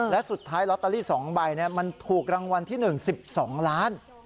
และสุดท้ายลอตเตอรี่๒ใบมันถูกรางวัลที่๑๑๒ล้าน